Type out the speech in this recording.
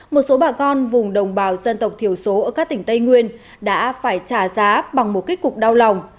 một số bà con vùng đồng bào dân tộc thiểu số ở các tỉnh tây nguyên đã phải trả giá bằng một kích cục đau lòng